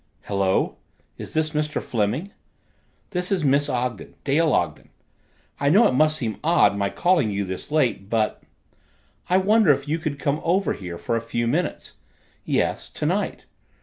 "Hello is this Mr. Fleming? This is Miss Ogden Dale Ogden. I know it must seem odd my calling you this late, but I wonder if you could come over here for a few minutes. Yes tonight."